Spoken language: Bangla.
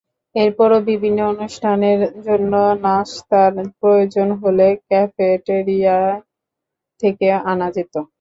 এরপরও বিভিন্ন অনুষ্ঠানের জন্য নাশতার প্রয়োজন হলে ক্যাফেটেরিয়া থেকে আনা যেত।